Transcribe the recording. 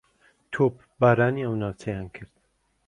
تۆپبارانی ئەو ناوچەیان کرد